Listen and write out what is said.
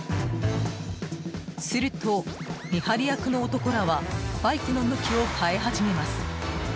すると見張り役の男らはバイクの向きを変えはじめます。